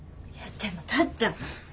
いやでもタッちゃん。